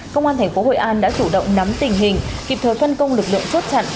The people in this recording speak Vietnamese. công an tp hội an đã chủ động nắm tình hình kịp thời phân công lực lượng chốt chặn